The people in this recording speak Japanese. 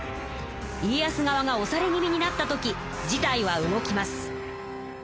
家康側がおされ気味になった時事態は動きます。